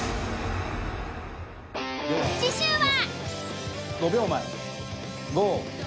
次週は。